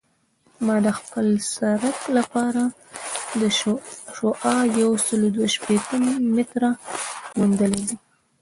ما د خپل سرک لپاره شعاع یوسل دوه شپیته متره موندلې ده